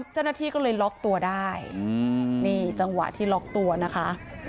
เจ้าหน้าที่ก็เลยล็อกตัวได้นี่จังหวะที่ล็อกตัวนะคะ